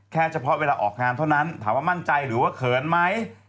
เฉพาะเวลาออกงานเท่านั้นถามว่ามั่นใจหรือว่าเขินไหม